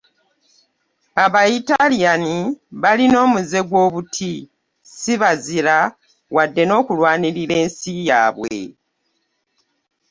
Aba Italian balina omuze gw'obuti ssi bazira wadde n'okulwanirira ensi yaabwe.